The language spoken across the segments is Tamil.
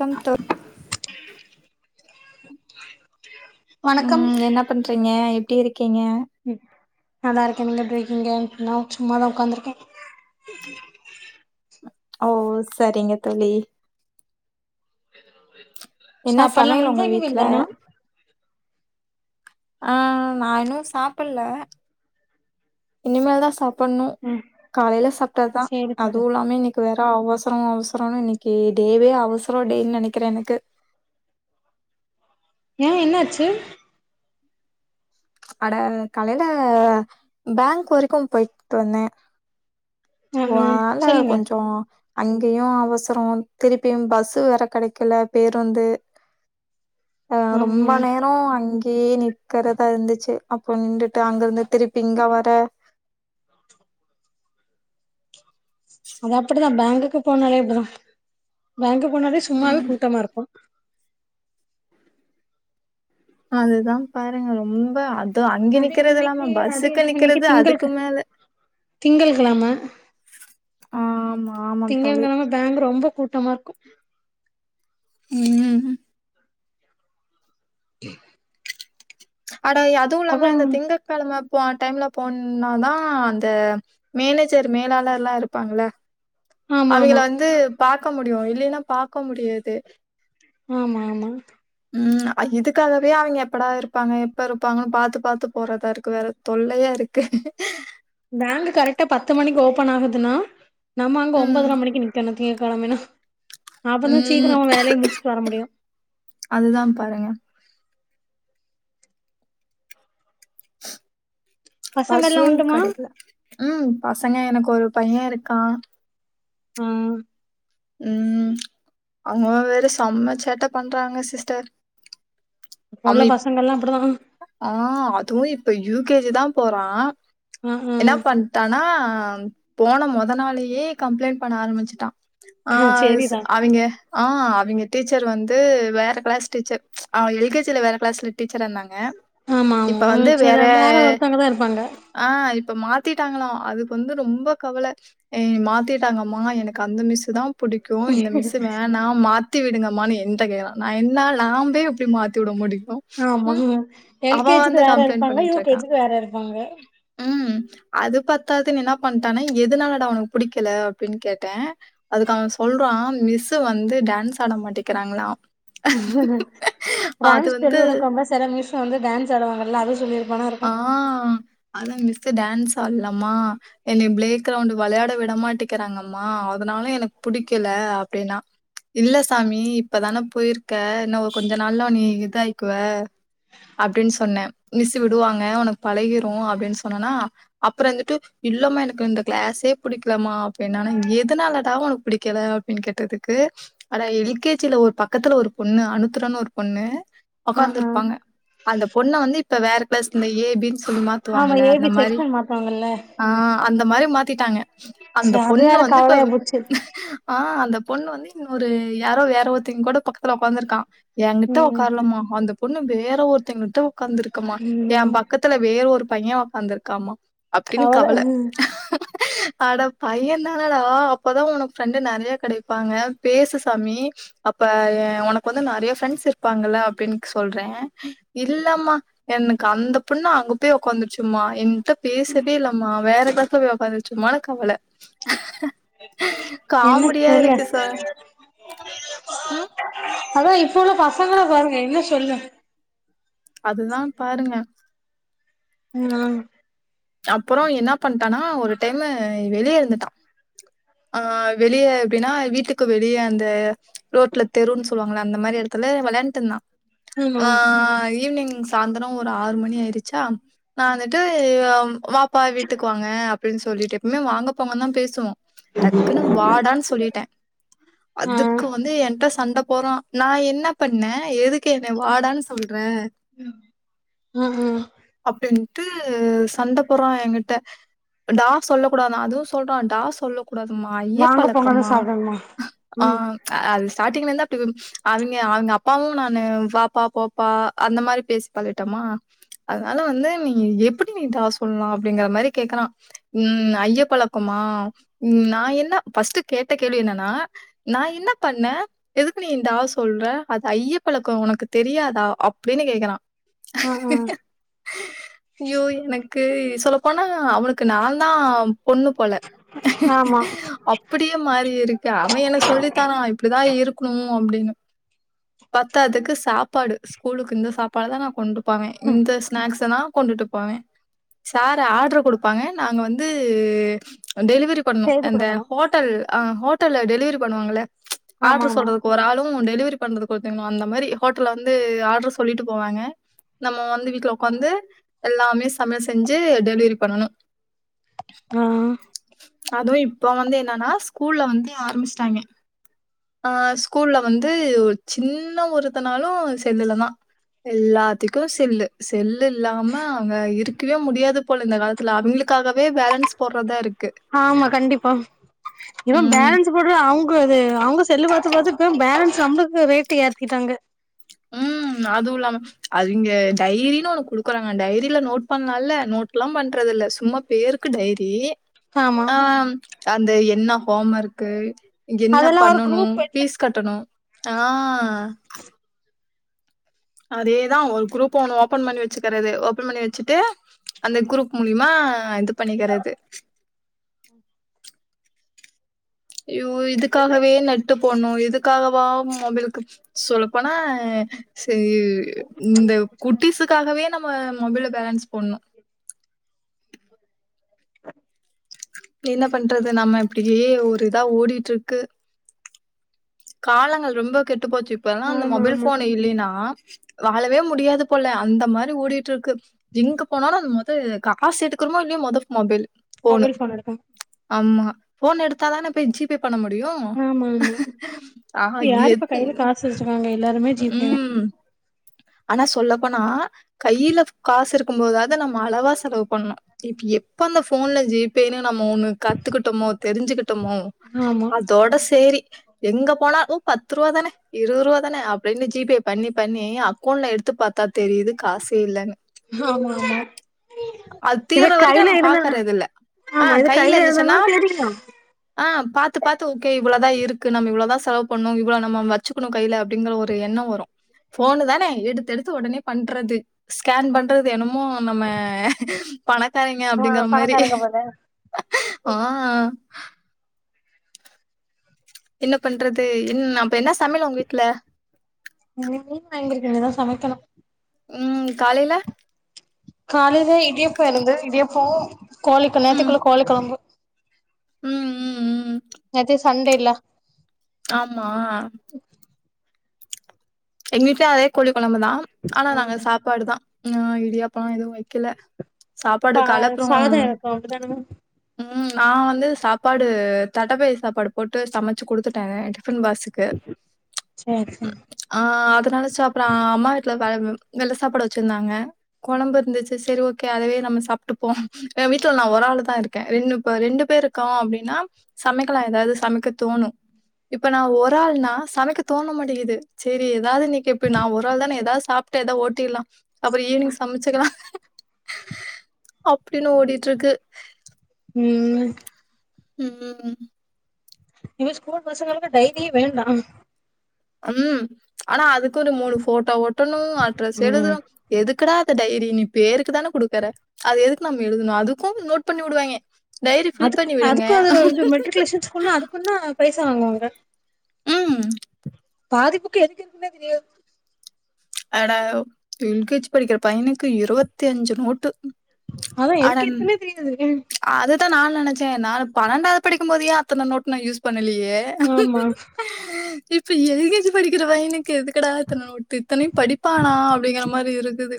கம் தோ [inaudible] உம் என்ன பண்றீங்க எப் எப்டி இருக்கீங்க உம் நல்லா இருக்கேன் நீங்க எப்டிருக்கிங்க ந சும்மாதான் உட்காந்துருக்கேன் ஓ சரிங்க தோழி என்ன சாப்பாடுலா சமையல் உங்க முடிஞ்சா இனி மேல் வீட்டுல தானா ஆ நாயின்னும் சாப்பல்ல இனி மேல் தான் சாப் பண்ணும் ம் காலையில சாப்பிட்ட தான் சேரி தோழி அதுவும் இல்லாமே இன்னைக்கு வேற அவசரம் அவசரம்னு இன்னைக்கு டேவே அவசரம் டேன்னு நெனக்கிறேன் எனக்கு ஏன் என்னாச்சு அட காலையில பேங்க் வரைக்கும் போயிட்டுட்டு வந்தேன் ம் ம் வாழ சொல்லுங்க கொஞ்சோம் அங்கேயும் அவசரம் திருப்பியும் பஸ்சு வேற கிடைக்கல பேருந்து ஆஹ ம் ரொம்ப ம் நேரோம் அங்கேயே இருக்கிறதா இருந்துச்சு அப்டின்ட்டு அங்கிருந்து திருப்பி இங்க வர அது அப்படிதான் பேங்க அதுக்கு போனாலே இப்டிதான் பேங்க் போனாலே சும்மாவே கூட்டமா இருக்கும் அதுதான் பாருங்க ரொம்ப அங்க அதே நிக்கறது இன்னைக்கு இல்லாம அத பஸ்ஸுக்கு இல்லாம இன்னைக்கு நிக்கறது அதுக்கு திங்களுக்கு மேல திங்கள்கலம ஆமா ஆமா தோழி திங்ககெழம பேங்க் ரொம்ப கூ கூட்டமா இருக்கும் உம் கும் [inaudible] அட அதுவும் இல்லாம இந்த திங்க கெழம [unintelligible] டைம்ல போனாதான் அந்த மேனேஜர் மேலாளர்லாம் இருப்பாங்கள ஆமா அவங்கிள ஆமா வந்து பாத் பறக்க முடியும் இல்லைன்னா பாக்க முடியாது ஆமா ஆமா உம் இதுக்காகவே அவங்க எப்படா இருப்பாங்க எப்ப இருப்பாங்கன்னு பாத்து பாத்து போறதா இருக்கு வேற தொல்லையா இருக்கு பேங்க் கரெக்டா பத்து மணிக்கு ஓபன் ஆகுதுனா நம் அங்க ஒன்பதர மணிக்கு நிக்கனு கியூவ் போலாமினா உம் முடியு அதுதான் பாருங்க கும் பசங்கல்லா பசும் உண்டுமா கிடைக்கல உம் பசங்க எனக்கும் ஒரு பையன் இருக்கான் ஆஹ் உம் அவங்க வேற செம்ம சேட்டை பண்றாங்க சிஸ்டர் இப்ப உள்ள அவன் இப் பசங்கள் எல்லாம் அப்படிதான் ஆ இப்ப யூகேஜி தான் போறான் உம் உம் ஆனா போன மொத நாளயே கம்ளைண்ட் பண்ண ஆரம்பிச்சிட்டான் ஆ ஆஹ் சேரிதா அவங்க ஆஹ் அவங்க டீச்சர் வந்து வேற கிளாஸ் டீச்சர் எல்கேஜி சில வேற கிளாஸ்ல டீச்சரா இருந்தாங்க ஆமா இப்ப ஆமா வந்து சேரி வேற ஒருத்தவங்கதா இருப்பாங்க ஆஹ் இப்ப மா மாத்திட்டாங்களாம் அதுக்கு வந்து ரொம்ப கவலை மாத்திட்டாங்கம்மா எனக்கு அந்த மிஸ் தான் பிடிக்கும் இந்த மிஸ்சு வேணா மாத்தி விடுங்க னு என் கேக்குறன் நான் என்ன நா போய் அப்படி மத்த துட முடி ஆமா எல்கேஜிக்கு வேற கம்ப்ளைண்ட் இருப்பாங்க பண்ணிட்டு இருக்கான். யுகேஜிக்கு வேற இருப்பாங்க ம். அது பத்தாதுன்ன என்ன பண்ணிட்டானா எதுனாலட அவனுக்கு பிடிக்கல அப்படின்னு கேட்டேன் அதுக்கு அவன் சொல்றான் மிஸ் வந்து டான்ஸ் ஆட மாட்டேக்கிறாங்களா கூக்கும் டேன்ஸ் வந்து சொல்லிகுடுக்க ரொம்ப செரமம் மிஸ் வந்து டான்ஸ் ஆடுவாங்கல்ல அத சொல்லி இருக் ஆஹ் அதா மிஸ்ஸு டான்ஸ் ஆடலம்மா என்னைய பிளே கிரவுண்ட் வெளையாட விடமாட்டேங்குறாங்கம்மா அதனால எனக்கு புடிக்கல அப்டின்னா இல்ல சாமி இப்பதான போயிருக்க இன்ன கொஞ்ச நாள்லா நீ இதுஆயிக்குவ அப்டின்னு சொன்னே மிஸ் த்து விடுவாங்க உனக்கு பழகிரு அப்டின்னு சொன்னனா அப்றோ இருந்துட்டு இல்லமா எனக்கு இந்த கிளாசே பிடிக்கலம்மா அப்டின்னானா எதனாலடா உனக்கு புடிக்கல அப்டின்னு கேட்டதுக்கு ஆனா எல் கே ஜி ல ஒரு பக்கத்துல ஒரு பொண்ணு அனுத்ரான்னு ஒரு பொண்ணு ஆ உகாந்து ஆ இருபாங்க அந்த பொண்ணு வந்து இப்ப வேற பிளஸ் இந்த எ பி சொல்லி ஆமா எமாத்துவாங்கள ஏ அந்த பி மாரி செக்ஷன் மாத்துவாங்கல்ல ஆஹ் அந்த மாரி மாத்திட்டாங்க சே அந்த அது பொண்ணு வேற வந்து இப்ப கவலையா போச்சு ஆஹ் அந்தப் பொண்ணு வந்து இன்னொரு யாரோ வேரஒருத்த கூட பகத்துல உட்காந்துருக்கான் எங்கிட்ட ம் ம் உக்காரலம்மா வந்து பொண்ணு வேற ஒருதன்கிட்ட உக்காந்துருக்கம்மா ஏன் ம் பக்கத்துல வேற ஒரு பையன் உக்காந்துருக்காமா கவல அடா பையன்தானடா அபவே உனக்கு ஃப்ரெண்டு் நிறய கிடப்பாங்க பேசுசாமி அப்ப உனக்கு வந்து நரையா ஃப்ரெண்ட்ஸ் இருப்பாங்க அப்டின்னு சொல்றேன் இல்லமா எனக் க்கு அந்த பொண்ணு அங்க போய் உக்காந்துருச்சுமா எங் ன்ட்ட பேசவே இல்லம்மா வேற பசங்களோட உக்கார வச்சிருமானு கவல க என்ன காமெடியா சொல்லு இருக்கு சா உம் அதா இப்பவே பசங்கள பாருங்க என்ன சொல்ல அதுதான் பாருங்க ஹும் அப்றோ என்ன பண்ட்டானா ஒரு டைமு வெளிய இருந்துட்டா ஆஹ் வெளிய எப்டின்னா வீட்டுக்கு வெளிய அந்த ரோட்ல தெருன்னு சொல்வாங்கல்ல அந்த மாரி எடத்துல வெளையாண்டுட்டு இருந்தா ஆமா ஆஹ் ஈவ்னிங் சாய்ந்தரம் ஒரு ஆறு மணி ஆயிருச்சா நான் வந்துட்டு அம் வாப்பா வீட்டுக்கு வாங்க அப்டினு சொல்லிட்டே எப்பமே வாங்க போங்கன்னுதா பேசுவோ டக்குனு வாடானு சொல்லிட்டேன் ஆ அதுக்கு வந்து என்டஸ்ட் சண்ட போறான் நான் என்ன பண்ணேன் எதுக்கு கேக்ற வாடான்னு சொல்ற ம் ம் அப்டின்னு து சண்ட போ போறான் எங்கிட்ட டா சொல்ல கூடாதான் அதுவும் சொல்றன் டா சொல்ல கூடாதுமா ஐய்ய வாங்க போங்கதா பலக்கமா சாப்டணுமா அ ம் அது ஸ்டார்டிங்ல இரு டும் அவங்க அவங்க அப்பாவு நானு வாப்பா போப்பா அந்த மாரி பேசி பழகிட்டோமா அதனால வந்து நீ எப்படி சொல்லா அப்படிங்கிறா மேரி கேக்குறா உஹம் ஐய்ய பழக்கமா உ நா என்ன பஸ்ட்டு கேட்ட கேள்வி என்னன்னா நா இன்ன பண்ண எதுக்கு நீ இந்த ஆள் சொல்ற அது ஐய்ய பழக்க உனக்கு தெரியாதா அப்படின்னு கேக்குறா ஆஹ் ஆஹ் யோ என க்கு சொல்ல போனா அவளுக்கு நா தா பொண்ணு போல ஆமா அப்படியே மாறி இருக்கு அவ என்ன சொல்லித்தரான் இப்டிதா இரு இருக்கணும் அப்டின்னு பத்தாதுக்கு சாப்பாடு ஸ்கூலுக்கு இந்த சாப்பாடு தா நா கொண்டு போவே ம் இந்த ஸ்நாக்ஸ நா கொண்டுட்டு போவே சாரு ஆட்ரு கொடுப்பாங்க நாங்க வந்து டெலிவரி செய்து பண்ணும்அந்த குடுக்கணு ஹோட்டல் ஆ ஹோட்டல டெலிவரி பண்ணுவாங்களே ஆமா ஆட்று ஆமா சொல்றதுக்கு ஒரு ஆளு ஒத்துகுனும் டெலிவரி பண்றதுக்கு அந்தமாரி ஹோட்டல்ல வந்து ஆட்ரு சொல்லட்டு போவாங்க நம்ப வந்து வீட்ல ஒக்காந்து எல்லாமே [unintelligible] செஞ்சு டெலிவரி பண்ணனும் ஆஹ் அதுவ இப்ப வந்து இன்னான்னா ஸ்கூல்ல வந்து ஆரம்பிச்சிட்டாங்க அஹ் ஸ்கூல்ல வந்து சின்ன ஒருத்தனாலு செல்லுலதா எல்லாத்துக்கு செல்லு செல்லு இல்லாம அங்க இருக்கவே முடியாது போல இந்த காலத்துல அவங்களுக்காகவே பேலன்ஸ் போடுறதா இருக்கு ஆமா கண்டிப்பா இவ ம். பேலன்ஸ் போடுற அவ [unintelligible] இது அவங்க செல்லு பாத்து பாத்து இப்ப பேலன்ஸ் நம்புளுக்கு ரேட்டு் ஏத்திட்டாங்க உஹம் அதுவு இல்லாம அது இங்க டைரின்னு ஒன்னு குடுக்குறாங்க டைரியில நோட் பண்லான்ல நோட் லா பண்றது இல்ல சும்மா பேருக்கு டைரி ஆமா ஆஹ் அந்த என்ன ஹோம்ஒர்க்கு இங்க என்ன அதெல்லா ஒரு பண்ணணு குரூப் வச்சு பீஸ் கட்டணு ஆஹ் அதேதான் ஒரு குரூப்ப ஒண்ணு ஓபன் பண்ணி வச்சுக்கிறது ஓபன் பண்ணி வச்சுட்டு அந்த குரூப் மூலிமா இது பண்ணிக்கிறது ஐயோ இதுக்காகவே நெட்டு போன்னும் இதுக்காகவா தமிழுக்கு சொல்லப்போனா செரி இந்த குட்டிசுக்காகவே நம்ப மொபைல்ல பேலன்ஸ் போன்னோ என்ன பண்றது நாம எப்படி ஒரு இதா ஓடிட்ருக்கு காலங்கள் ரொம்ப கெ செத்து போச்சு இப்ப எல்லா அந்த ஆமா மொபைல் ஆமா போன் இல்லினா வாலவே முடியாது போல அந்த மாதிரி ஓடிட்ருக்கு எங்க போனாலு அந்த மோத காசு எடுக்குறோமோ இல்லையே மொத மொபைளு போனு மொபைல் ஃபோன் எடுத்தாங்க ஆமா போன் எடுத்தாதானே போய் ஜிபே பண்ண முடியும் ஆமா ஆமா ஆ இப்ப யாரு இப்ப எத் கையில காசு வச்சுக்காங்க எல்லாருமே ஜீப்பேன் ம். ஆனா சொல்லப்போனா கையில காசு இருக்கும் போதாவது நம்ம அளவா செலவு பண்ணும் இப்ப எப்ப அந்த போன்ல ஜீப்பேனு நம்ம ஒண்ணு கத்துக்கிட்டோமோ தெரி்சுக்கிட் ட்டுமோ தா ஆமா அதோட செரி எங்க போனா ஓ பத்து ரூவா தானே இருபது ரூபா தானே அப்டின்னு ஜிபே பண்ணி பண்ணி ஃபோன்ல எடுத்து பாத்தா தெரியுது காசு இல்லைன்னு ஆமா ஆமா அது இது தீர்ற வரைக்கும் கையில நம்ம இருந்த பாக்கற இது இல்ல ஆமா ஆஹ் இது கையில இருந்தன்னா இருந்துச்சுன்னா தெரியு ஆஹ் பாத்து பாத்து ஓகே இவ்வளோதா இருக்கு நம்ம இவ்ளத செலவு பண்ணும் இவ்வளோ நம்ம வச்சுக்கும் கையில அப்டிங்கற ஒரு எண்ணம் வரும் போனு தானே எடுத்து எடுத்து உடனே பண்றது ஸ்கேன் பண்றது என்னமோ நம்ம பணக்காரைங்க ஆ அப்டிங்கற மாரி பணக்காரங்க போல ஆஹ என்ன பண்றது என் அம் இப்ப என்ன சமையல் உங்க வீட்டுல இனிமே தா சமைக்கணு ம் காலையில காலையில இடியப்பாம் இருந்தது இடியப்பம் கோழிக்கு நேத்துக்குள்ள கோழி கொழம்பு உம் உம் உம் நேத்து சண்டேல்ல ஆமா எங்க வீட்டுலே அதே கோழி குழம்பு தான் ஆனா நாங்க ம் சாப்பாடு தான் ஆஹ் இடியாப்பா எதுவும் வைக்கல சாப்பாடு காஹ கலப்புறோ சாத இரக்கோ அப்டிதானமா ம் நான் வந்து சாப்பாடு தட்டைப்பை சாப்பாடு போட்டு சமைச்சு குடுத்துட்டே டிஃபன் பாக்ஸுக்கு செரி செரி ஆ அதனாலச்சப்புறம் அம்மா வீட்டுல வெல்ல சாப்பாடு வச்சிருந்தாங்க குழம்பு இருந்துச்சு செரி ஓகே அதவே நம்ம சாப்பட்டுப்போம் வீட்டுல நான ஒரு ஆள் தான் இருக்கேன் ரெண்டு ரெண்டு பேர் இருக்கோம் அப்டின்னா சமைக்கலாம் ஏதாவது சமைக்க தோணும் இப்ப நான் ஒரு ஆள்னா சமைக்க தோண மாட்டேங்குது செரி ஏதாவது இன்னைக்கு இப்ப ந ஒரு ஆள் தானே எதாவது சாப்ட்டு எதோ ஓட்டில அப்புறம் ஈவினிங் சமைச்சுக்கலா அப்டின்னு ஓடிட்டு இருக்கு ம் உம் ம் இங்க ஸ்கூல் பசங்களுக்கு டைரியே வேண்டாம் அம் ஆனா அதுக்கு ஒரு மூணு போட்டோ ஒட் ட்டனு அட்ரஸ் ம் எழுதனு எதுக்குடாத் இந்த டைரி நீ பேருக்கு தானே குடுக்கற அது எதுக்கு நம்ம எழுதணு அதுக்கு நோட் பண்ணி விடுவாங்கே அதுக் அதுக்கு அது இது மெட்ரிகுலேஷன் ஸ்கூல்ல அதுக்குந்தா பைசா வாங்குவாங்க ம். பாதி புக்கு எதுக்கு இருக்குனே தெரியாது அட எல் கே ஜி படிக்கிற பையனுக்கு இருவத்தி அஞ்சு நோட்டு அதா எதுக்கு இருக்குன்னே தெரியாது அ த்தா நானு நெனைச்சே நா பன்னெண்டாவது படிக்கும் போதே அத்தன நோட்டு நா யூஸ் பண் பண்ணலையே ஆமா [inaudible] இப்ப எல் கே ஜி படிக்கிற பயனுக்கு எதுக்கடா இத்தன நோட்டு படிப்பானா அப்டிங்கற மாரி இருக்குது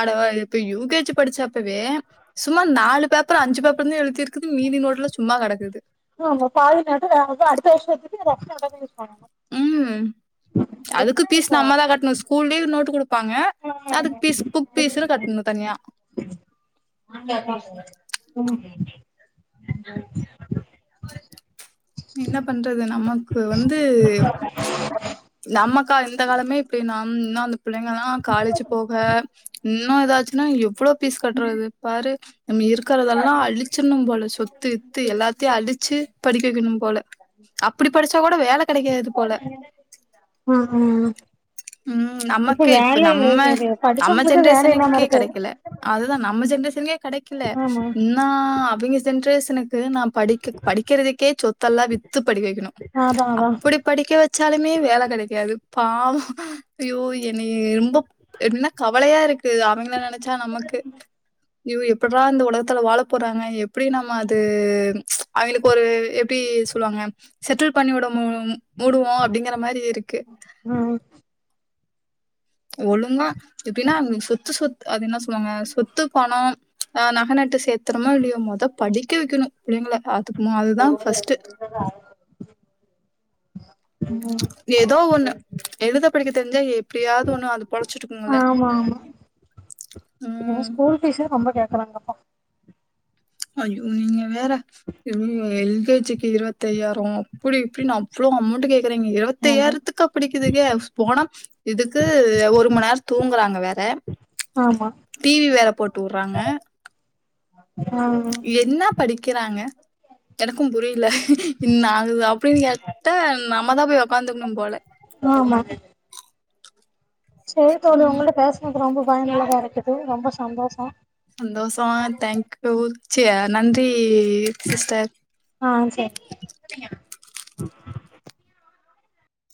அட இப்ப யூ கே ஜி படிச்சாப் இப்பவே சும்மா நாலு பேப்பர் அஞ்சு பேப்பர்தா எழுதிருக்கு மீதி நோட்டலா சும்மா கெடக் எது ஆமா பாதிாட்டு அடுத்த வருஷத்து அம் [inaudible] உம் அதுக்கு பீஸ் நம்மதா கட்டணு ஸ்கூல்லயே நோட்டு குடுப் ப்பாங்க அதுக்கு ஃபீஸ் புக் ஃபீஸ்னு கட்ணு தனியா [inaudible] என்ன பண்றது நமக்கு வந்து நம்ம கா இந்த காலமே அப்பயு [unintelligible] பிள்ளைங்கல்லா காலேஜ் போக ம் இன்னு ஏதாச்சு ன்னா எவ்ளோ ஃபீஸ் கட்றது பாரு நம்ம இருக்கிறதெல்லா அழிச்சிடணும் போல சொத்து கித்து எல்லாத்தையு அழிச்சு படிக்க வைக்கணு போல அப்படி படிச்சா கூட வேலை கெடைக்காது போல ம் ம் உம் நமக்கு இப்ப வேல நம்ம இது நம்ம படிச்சவங்களுக்கு வேல இல்லாம ஜென்ரேஷனுக்கே இருக்கு கெடைக்கல அதுதா நம்ம ஜென்ரேஷனே கெடைக்கல ஆமா இன்னா அவங்க ஜென்ரேஷ் க்கு நா படிக்கக் படிக்கிறதுக்கே சொத் ல்லாம் வித்து படிக்க வைக்கணும் அதா அதா அப்படி படிக்க வச்சாலுமே வேலை கெடைக்காது பாவோ ஐயோ என்ன ரொம்ப என்னா கவலையா இருக் அவங்கள நெனச்சா நமக்கு ஐயோ எப்புட்ற இந்த உலகத்துல வாழ போறாங்க எப்டி நம்ம அது அவனுக்கொரு [unintelligible] சொல்லுவாங்க செட்டில் பண்ணி விட மூடுவோ அப்புடிங்கிற மாரி இருக்கு ம் ஒழுங்கா எப்டின்னா சொத்து சொத்து அது என்ன சொல்லுவாங்க சொத்து பணம் ஆஹ் நகைநட்டு சேத்திரமோ இல்லையோ மோத படிக்க வைக்கணும் புள்ளைங்கள பாத்தக்குனு அதுதான் ஃபஸ்ட்டு ஏதோ ஒண்ணு எழுத படிக்க தெரிஞ்சா எப்டியாவது ஒண்ணு அது பொழச்சிட்டுக்குங்கல்ல ஆமா ஆமா ம் ஸ்கூல் பீஸ் ரொம்ப கே [unintelligible] [unintelligible] வேற [unintelligible] கேஜிக்கு இருபத்தி ஐாயாயிரம் அப்புடி இப்புடி அவ்வளோ அமௌண்ட் கே இருங்க ஆமா இருபத்தஐயாயிரத்துக்கு பிடிக்குதுங்கே போனா இதுக்கு ஒரு மணி நேரம் தூங்குறாங்க வேற ஆமா டிவி வேற போட்டு வுடுறாங்க ஆ என்ன படிக்கிறாங்க எனக்கும் புரியில இன்ன ஆகுது அப்டின்னு கேட்ட நம்மதான் போய் உக்காந்துக்கணும் போல சரி தோழி ம். உங்கள்டிட்ட பேசனாங் ரொம்ப பயனுள்ளதா இருக்குது ரொம்ப சந்தோஷோ சந்தோஷமா தேங்க்யூ சா நன்றி சிஸ்டர் ஆ சேரி [inaudible]